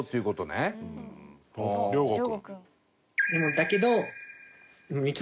だけど。